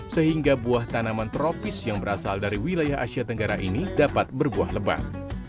sehingga buah tanaman tropis yang berasal dari wilayah asia tenggara ini dapat berbuah lebat